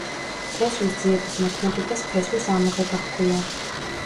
ფესვის ძიების მოქმედებას ფესვის ამოღება ჰქვია.